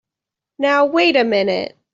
Now wait a minute!